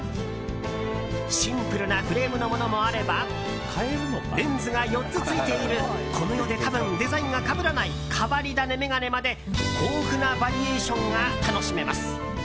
シンプルなフレームのものもあればレンズが４つ付いているこの世で多分、デザインがかぶらない変わり種眼鏡まで豊富なバリエーションが楽しめます。